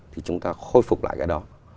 thì chúng ta khôi phục lại cái đó